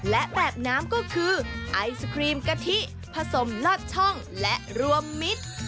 และแบบน้ำก็คือไอศครีมกะทิผสมลอดช่องและรวมมิตร